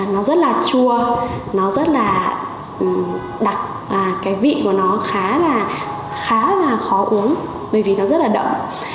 nó rất là chua nó rất là đặc cái vị của nó khá là khó uống bởi vì nó rất là đậm